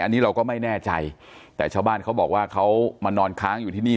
อันนี้เราก็ไม่แน่ใจแต่ชาวบ้านเขาบอกว่าเขามานอนค้างอยู่ที่นี่